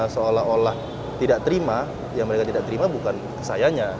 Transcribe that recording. seolah olah tidak terima yang mereka tidak terima bukan ke sayanya